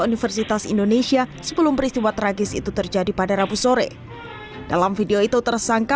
universitas indonesia sebelum peristiwa tragis itu terjadi pada rabu sore dalam video itu tersangka